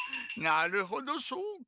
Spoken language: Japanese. なるほどそうか。